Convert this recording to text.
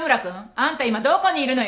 あんた今どこにいるのよ？